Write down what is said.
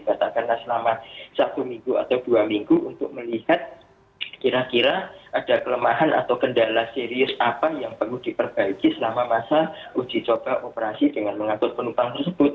katakanlah selama satu minggu atau dua minggu untuk melihat kira kira ada kelemahan atau kendala serius apa yang perlu diperbaiki selama masa uji coba operasi dengan mengatur penumpang tersebut